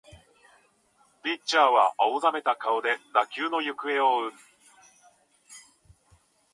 ピッチャーは青ざめた顔で打球の行方を追う